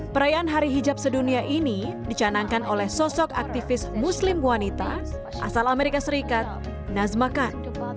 perayaan hari hijab sedunia ini dicanangkan oleh sosok aktivis muslim wanita asal amerika serikat nazmakan